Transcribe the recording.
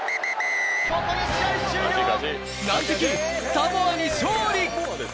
難敵・サモアに勝利。